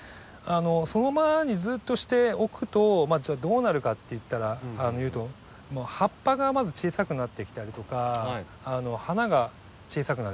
そのままにずっとしておくとどうなるかっていうともう葉っぱがまず小さくなってきたりとか花が小さくなる